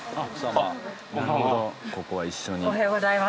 おはようございます。